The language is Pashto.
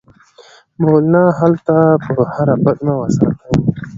مولنا هلته په هره پلمه وساتي.